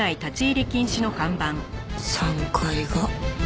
３階が。